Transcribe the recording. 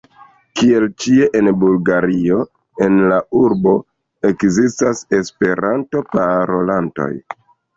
Kiel ĉie en Bulgario en la urbo ekzistas Esperanto-parolantoj.